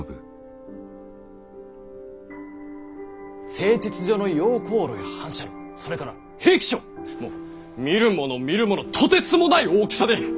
製鉄所の溶鉱炉や反射炉それから兵器廠もう見るもの見るものとてつもない大きさで。